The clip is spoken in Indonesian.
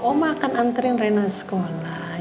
oma akan antren rena sekolah